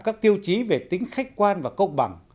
các tiêu chí về tính khách quan và công bằng